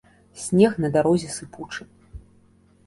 Снег на дарозе сыпучы.